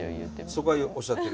そこはおっしゃってる。